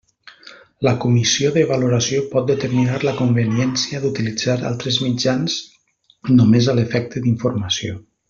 La comissió de valoració pot determinar la conveniència d'utilitzar altres mitjans només a l'efecte d'informació.